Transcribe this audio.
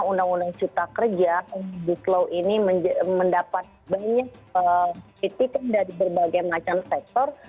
undang undang cipta kerja bislow ini mendapat banyak titik dari berbagai macam sektor